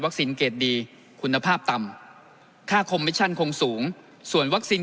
เกรดดีคุณภาพต่ำค่าคอมมิชชั่นคงสูงส่วนวัคซีน